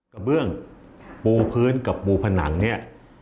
กระเบื้องปูพื้นกับปูผนังเนี่ย